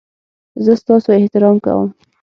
زه ستاسو احترام کوم